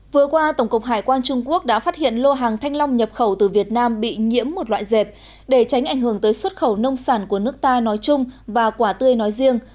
vừa qua tổng cục hải quan trung quốc đã phát hiện lô hàng thanh long nhập khẩu từ việt nam bị nhiễm một loại dẹp để tránh ảnh hưởng tới xuất khẩu nông sản của nước ta nói chung và quả tươi nói riêng